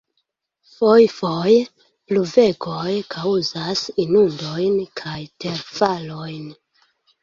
Fojfoje pluvegoj kaŭzas inundojn kaj terfalojn.